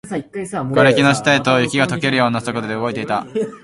瓦礫の下へと、雪が溶けるような速度で動いていた